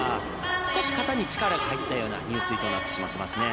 少し肩に力が入ったような入水となってしまいましたね。